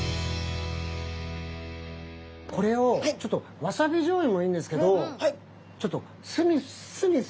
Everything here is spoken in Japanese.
これをちょっとわさびじょうゆもいいんですけどちょっと酢みそ。